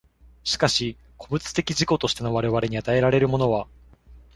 しかし個物的自己としての我々に与えられるものは、